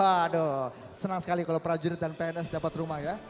waduh senang sekali kalau prajurit dan pns dapat rumah ya